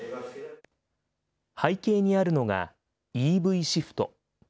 背景にあるのがＥＶシフト。